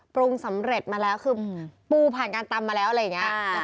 ปรุงสำเร็จมาแล้วคือปูผ่านการตำมาแล้วอะไรอย่างนี้